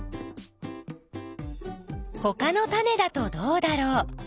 ほかのタネだとどうだろう？